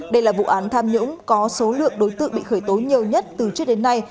đây là vụ án tham nhũng có số lượng đối tượng bị khởi tố nhiều nhất từ trước đến nay